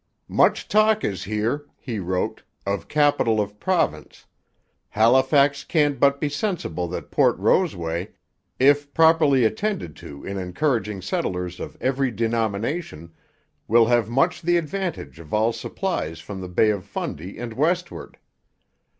'Much talk is here,' he wrote, 'of capital of Province... Halifax can't but be sensible that Port Roseway, if properly attended to in encouraging settlers of every denomination, will have much the advantage of all supplies from the Bay of Fundy and westward.